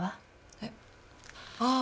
えっああ